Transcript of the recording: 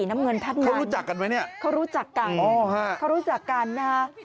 เค้ารู้จักกันไหมเนี่ยเค้ารู้จักกัน